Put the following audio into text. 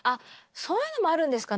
そういうのもあるんですかね